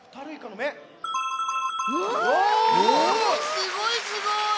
すごいすごい。